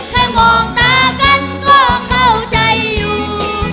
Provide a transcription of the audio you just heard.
แค่มองตากันก็เข้าใจอยู่